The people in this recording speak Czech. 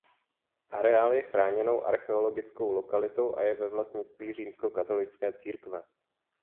Areál je chráněnou archeologickou lokalitou a je ve vlastnictví římskokatolické církve.